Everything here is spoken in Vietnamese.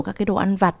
các cái đồ ăn vặt